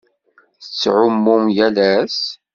Tettɛummum yal ass?